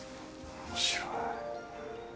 面白い。